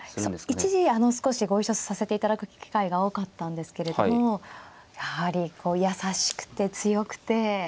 一時少しご一緒させていただく機会が多かったんですけれどもやはり優しくて強くて。